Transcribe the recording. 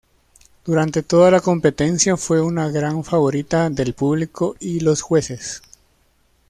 Durante toda la competencia fue una gran favorita del público y los jueces.